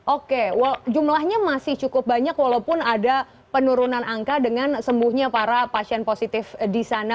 oke jumlahnya masih cukup banyak walaupun ada penurunan angka dengan sembuhnya para pasien positif di sana